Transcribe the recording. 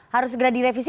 harus segera direvisi